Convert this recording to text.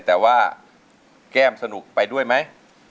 แต่ว่าแก้มสนุกไปด้วยไหม